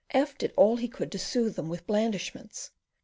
F did all he could to soothe them with blandishments.